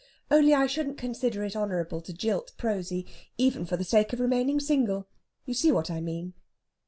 Only I shouldn't consider it honourable to jilt Prosy, even for the sake of remaining single. You see what I mean.